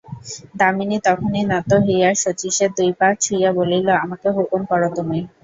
দামিনী তখনই নত হইয়া শচীশের দুই পা ছুঁইয়া বলিল, আমাকে হুকুম করো তুমি।